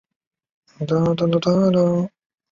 他亦曾外流希腊加盟伊安尼高斯取得一定的成绩。